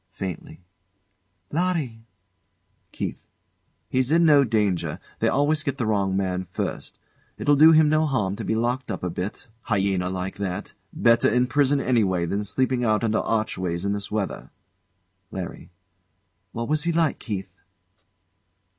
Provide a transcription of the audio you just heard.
[Faintly] Larry! KEITH. He's in no danger. They always get the wrong man first. It'll do him no harm to be locked up a bit hyena like that. Better in prison, anyway, than sleeping out under archways in this weather. LARRY. What was he like, Keith?